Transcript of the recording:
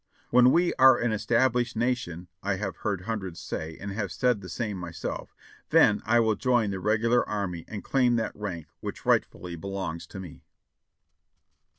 "VVhen we are an established nation," I have heard hun dreds say, and have said the same myself, "then I will join the Regular Army and claim that rank which rightfully belongs to me."